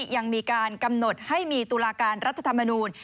ยังมีการกำหนดให้มีตุลาการรัฐธรรมนูล